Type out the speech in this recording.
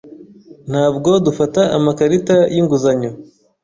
Ntabwo dufata amakarita yinguzanyo.